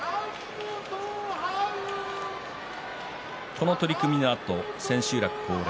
この取組のあと千秋楽恒例